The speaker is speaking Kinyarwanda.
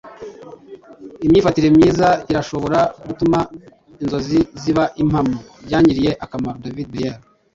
imyifatire myiza irashobora gutuma inzozi ziba impamo - byangiriye akamaro. - david bailey